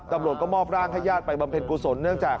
กำลัวก็มอบร่างให้ญาติไปบำเผ็ดกุโสน